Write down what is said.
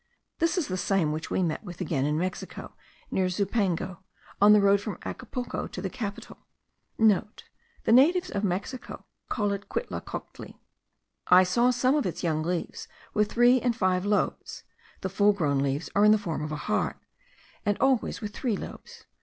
This is the same which we met with again in Mexico, near Zumpango, on the road from Acapulco to the capital.* (* The natives of Mexico called it quitlacoctli. I saw some of its young leaves with three and five lobes; the full grown leaves are in the form of a heart, and always with three lobes.